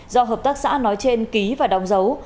do hợp tác xã nói trên ký và đóng dấu